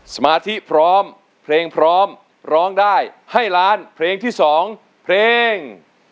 สมาธิพร้อมเพลงพร้อมร้องได้ให้ล้านเพลงที่๒เพลง